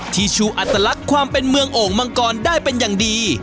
ที่ชูอัตลักษณ์ความเป็นเมืองโอ่งมังกรได้เป็นอย่างดี